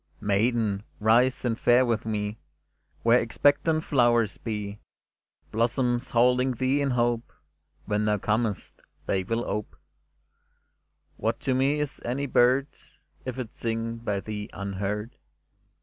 Maiden, rise, and fare with me Where expectant flowers be — Blossoms holding thee in hope: When thou comest, they will ope. What to me is any bird, If it sing by thee unheard?